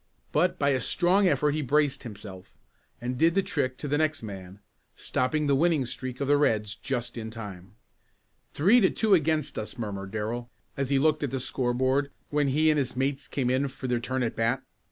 But by a strong effort he braced himself, and did the trick to the next man, stopping the winning streak of the Reds just in time. "Three to two against us," murmured Darrell as he looked at the score board when he and his mates came in for their turn at the bat.